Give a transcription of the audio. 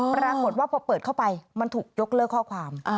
ปรากฏว่าพอเปิดเข้าไปมันถูกยกเลิกข้อความ